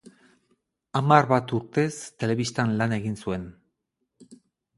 Hamar bat urtez telebistan lan egin zuen.